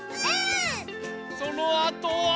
そのあとは。